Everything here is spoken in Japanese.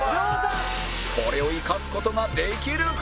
これを生かす事ができるか！？